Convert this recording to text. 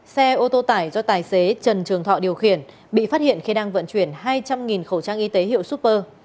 xe ô tô tải do tài xế trần trường thọ điều khiển bị phát hiện khi đang vận chuyển hai trăm linh khẩu trang y tế hiệu super